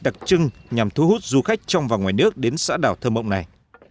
đặc trưng nhằm thu hút du khách trong và ngoài nước đến xã đảo thơ mộng này